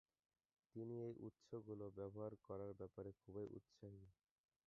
তিনি এই উৎসগুলো ব্যবহার করার ব্যাপারে খুবই উৎসাহী।